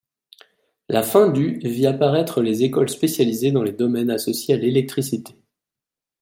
La fin du vit apparaître les écoles spécialisées dans les domaines associés à l'électricité.